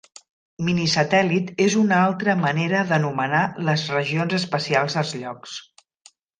Minisatèl·lit és una altra manera d'anomenar les regions especials dels llocs.